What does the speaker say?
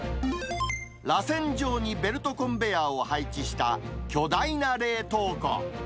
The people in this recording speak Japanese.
らせん状にベルトコンベヤーを配置した、巨大な冷凍庫。